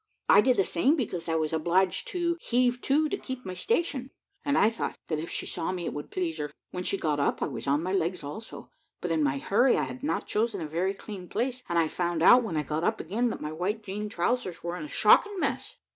I did the same, because I was obliged to heave to to keep my station, and I thought, that if she saw me, it would please her. When she got up, I was on my legs also; but in my hurry, I had not chosen a very clean place, and I found out, when I got up again, that my white jean trowsers were in a shocking mess.